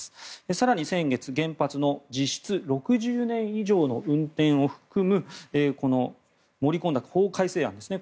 更に、先月、原発の実質６０年以上の運転を含むこの盛り込んだ法改正案ですね